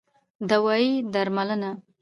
دوايي √ درملنه